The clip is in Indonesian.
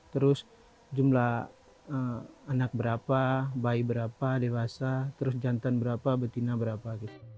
terus jumlah anak berapa bayi berapa dewasa terus jantan berapa betina berapa